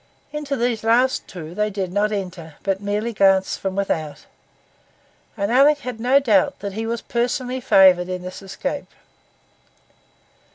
Into these last two they did not enter, but merely glanced from without; and Alick had no doubt that he was personally favoured in this escape.